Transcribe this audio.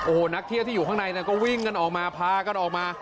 โอ้โหนักเที่ยวที่อยู่ข้างในก็วิ่งกันออกมาพากันออกมา